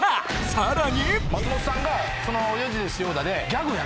さらに！